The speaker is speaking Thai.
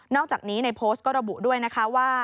อกจากนี้ในโพสต์ก็ระบุด้วยนะคะว่า